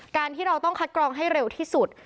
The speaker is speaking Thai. การที่เราต้องคัดกรองให้เร็วที่สุด